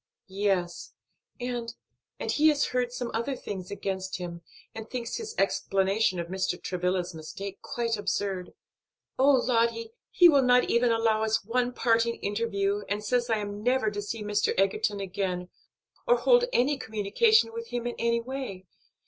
"Yes, and and he has heard some other things against him, and thinks his explanation of Mr. Travilla's mistake quite absurd. Oh, Lottie, he will not even allow us one parting interview and says I am never to see Mr. Egerton again, or hold any communication with him in any way.